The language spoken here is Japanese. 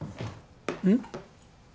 うん？